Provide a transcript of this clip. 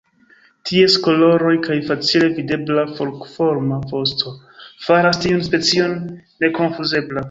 Ties koloroj kaj facile videbla forkoforma vosto faras tiun specion nekonfuzebla.